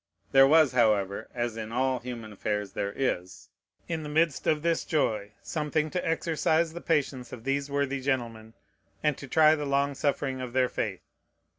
There was, however, (as in all human affairs there is,) in the midst of this joy, something to exercise the patience of these worthy gentlemen, and to try the long suffering of their faith.